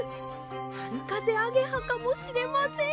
はるかぜアゲハかもしれません！